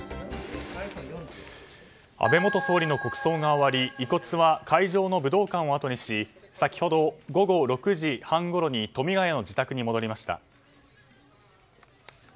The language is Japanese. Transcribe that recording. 安倍元総理の国葬が終わり遺骨は会場の武道館をあとにし先ほど午後６時半ごろに富ヶ谷の自宅に戻りました。